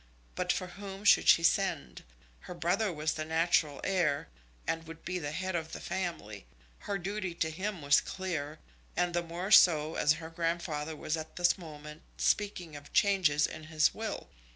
But for whom should she send? Her brother was the natural heir, and would be the head of the family. Her duty to him was clear, and the more so as her grandfather was at this moment speaking of changes in his will.